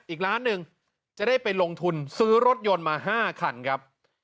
อีกล้านหนึ่งจะได้ไปลงทุนซื้อรถยนต์มา๕คันครับ